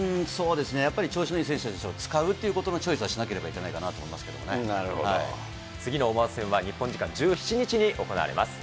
やっぱり調子のいい選手たちを使うというチョイスはしなけれ次のオマーン戦は日本時間１７日に行われます。